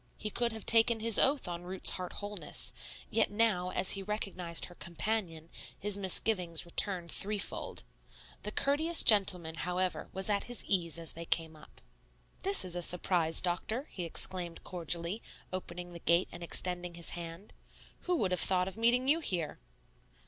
He could have taken his oath on Ruth's heart wholeness, yet now, as he recognized her companion, his misgivings returned threefold. The courteous gentleman, however, was at his ease as they came up. "This is a surprise, Doctor," he exclaimed cordially, opening the gate and extending his hand. "Who would have thought of meeting you here?"